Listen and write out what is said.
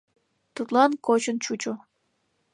Тудлан кочын чучо.